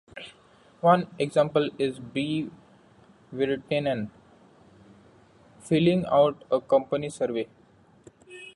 One example is B. Virtanen filling out a company survey.